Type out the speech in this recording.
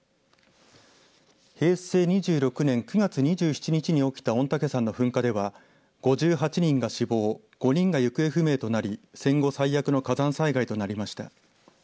平成２６年９月２７日に起きた御嶽山の噴火では５８人が死亡５人が行方不明となり戦後最悪の火山災害となりました。